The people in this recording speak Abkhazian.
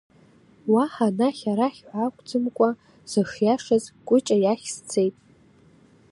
Уаҳа анахь-арахь ҳәа акәӡамкәа, сышиашаз Кәыҷа иахь сцеит.